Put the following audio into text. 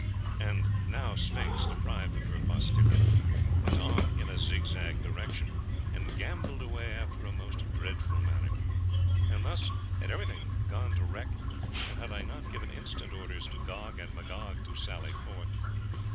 And now Sphinx, deprived of her postillion, went on in a zigzag direction, and gambolled away after a most dreadful manner. And thus had everything gone to wreck, had I not given instant orders to Gog and Magog to sally forth.